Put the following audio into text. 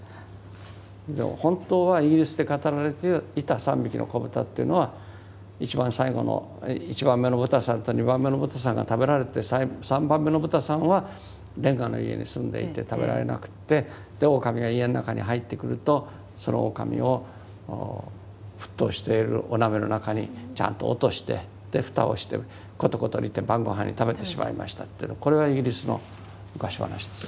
でも本当はイギリスで語られていた「三びきのこぶた」っていうのは一番最後の１番目の豚さんと２番目の豚さんが食べられて３番目の豚さんはレンガの家に住んでいて食べられなくってオオカミが家の中に入ってくるとそのオオカミを沸騰しているお鍋の中にちゃんと落として蓋をしてコトコト煮て晩ごはんに食べてしまいましたっていうのこれがイギリスの昔話です。